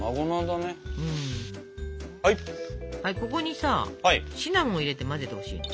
ここにさシナモン入れて混ぜてほしいの。